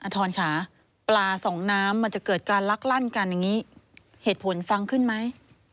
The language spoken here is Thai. อทอนค่ะปลาสองน้ำจะเกิดขึ้นรักรั่นกันเหตุผลฟังขึ้นไหม